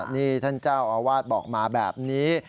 นี่ท่านเจ้าอาวาสบอกมาแบบนี้